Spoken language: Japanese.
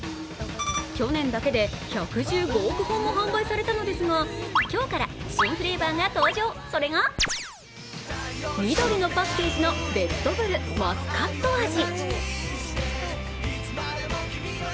去年だけで１１５億本も販売されたのですが今日から新フレーバーが登場それが、緑のパッケージのレッドブル・マスカット味。